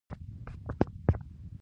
نه مو خوښېږي او نه مو سوچ پرې کړی دی.